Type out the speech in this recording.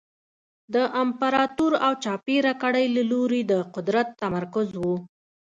د امپراتور او چاپېره کړۍ له لوري د قدرت تمرکز و